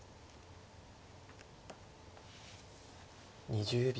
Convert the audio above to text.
２０秒。